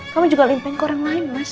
kamu juga limpang ke orang lain mas